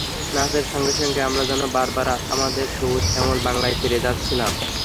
নাচের সঙ্গে সঙ্গে আমরা যেন বারবার আমাদের সবুজ শ্যামল বাংলায় ফিরে যাচ্ছিলাম।